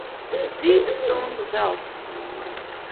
Rīta stunda, zelta stunda.